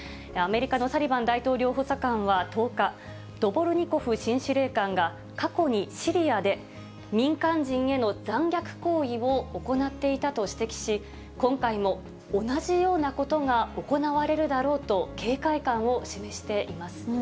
アメリカのサリバン大統領補佐官は１０日、ドボルニコフ新司令官が、過去にシリアで、民間人への残虐行為を行っていたと指摘し、今回も同じようなことが行われるだろうと警戒感を示しています。